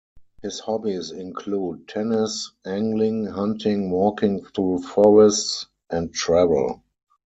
His hobbies include tennis, angling, hunting, walking through forests, and travel.